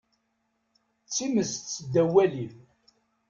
D times seddaw walim.